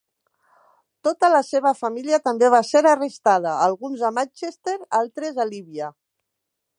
Tota la seva família també va ser arrestada, alguns a Manchester, altres a Líbia.